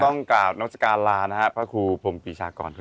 ก็ต้องกราบนามศกาลลานะครับพระครูพรหมีชากรด้วยนะครับ